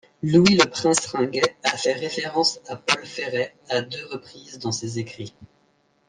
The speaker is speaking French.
Louis Leprince-Ringuet a fait référence à Paul Féret à deux reprises dans ses écrits.